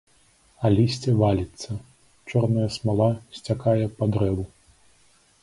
А лісце валіцца, чорная смала сцякае па дрэву.